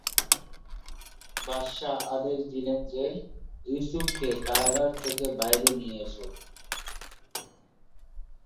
বাদশাহ আদেশ দিলেন যে, ইউসুফকে কারাগার থেকে বাইরে নিয়ে এসো।